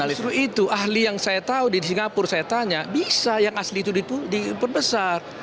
justru itu ahli yang saya tahu di singapura saya tanya bisa yang asli itu diperbesar